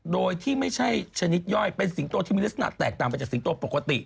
โดยที่ไม่ใช่ชนิดย่อยเป็นสิงโตที่มีลักษณะแตกต่างไปจากสิงโตปกติ